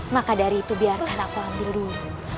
maka dari itu biarkan aku ambil dulu